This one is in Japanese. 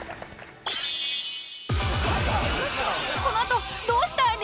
このあとどうした？